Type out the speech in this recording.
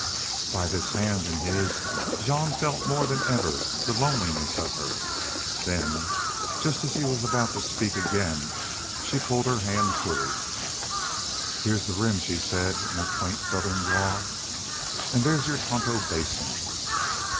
By this hand in his Jean felt more than ever the loneliness of her. Then, just as he was about to speak again, she pulled her hand free. "Heah's the Rim," she said, in her quaint Southern drawl. "An' there's Y'ur Tonto Basin."